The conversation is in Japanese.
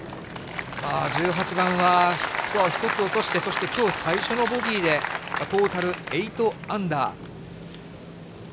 １８番はスコアを１つ落として、そしてきょう最初のボギーで、トータル８アンダー。